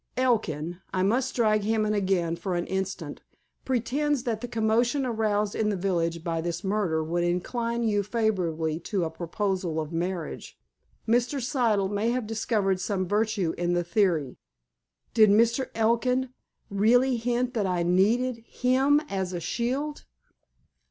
"Elkin—I must drag him in again for an instant—pretends that the commotion aroused in the village by this murder would incline you favorably to a proposal of marriage. Mr. Siddle may have discovered some virtue in the theory." "Did Mr. Elkin really hint that I needed him as a shield?"